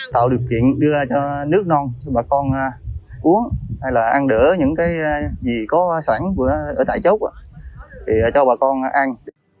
tạo được chuyện đưa nước non cho bà con uống hay là ăn đỡ những gì có sẵn ở tại chốt cho bà con ăn